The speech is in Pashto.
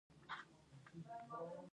ایا زه باید په روغتون کې کار وکړم؟